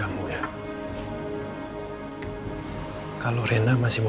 salli juga lo sukaede makanya